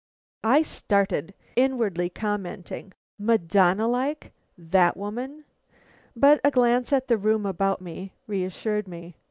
I started; inwardly commenting: "Madonna like, that woman!" But a glance at the room about me reassured me.